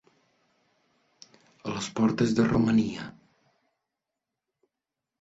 A les portes de Romania.